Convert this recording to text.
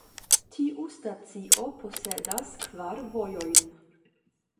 Tiu stacio posedas kvar vojojn.